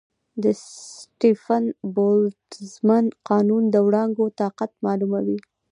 د سټیفن-بولټزمن قانون د وړانګو طاقت معلوموي.